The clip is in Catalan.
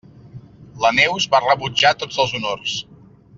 La Neus va rebutjar tots els honors.